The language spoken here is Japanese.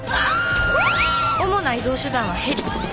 主な移動手段はヘリ。